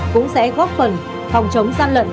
cũng sẽ góp phần phòng chống gian lận